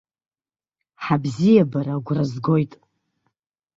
Ҳабзиабара агәра згоит!